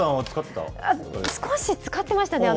使ってましたね。